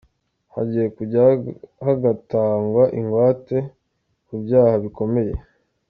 Hagiye kujya hagatangwa ingwate ku byaha bikomeye.